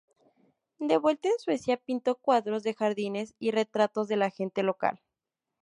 De vuelta en Suecia pintó cuadros de jardines y retratos de la gente local.